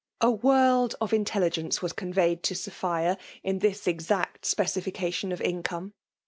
A world of intelligence was. conveyed U> Sophia in this exact specification. of income.